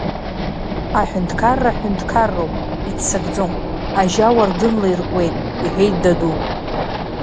Аҳәынҭқарра ҳәынҭқарроуп, иццакӡом, ажьа уардынла иркуеит, – иҳәеит даду.